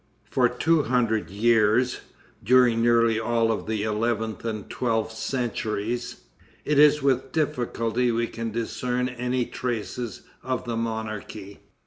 For two hundred years, during nearly all of the eleventh and twelfth centuries, it is with difficulty we can discern any traces of the monarchy.